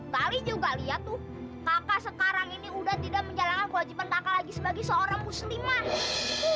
kali juga lihat tuh kakak sekarang ini udah tidak menjalankan kewajiban kakak lagi sebagai seorang muslimah